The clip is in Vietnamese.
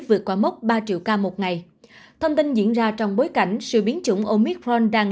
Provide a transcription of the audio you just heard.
vượt qua mốc ba triệu ca một ngày thông tin diễn ra trong bối cảnh sự biến chủng omicron đang